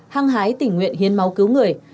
hăng hái tỉnh nguyện hiến máu cứu người